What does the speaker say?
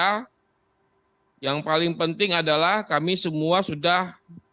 yang pertama yang paling penting adalah kami semua sudah